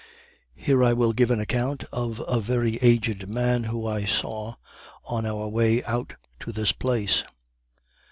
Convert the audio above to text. Here I will give an account of a very aged man who I saw on our way out to this place.